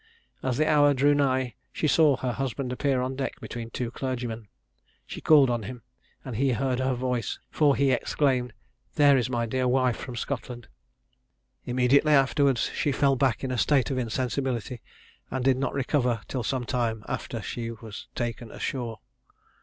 As the hour drew nigh, she saw her husband appear on deck between two clergymen. She called on him, and he heard her voice, for he exclaimed, "There is my dear wife from Scotland." Immediately afterwards, she fell back in a state of insensibility, and did not recover till some time after she was taken ashore.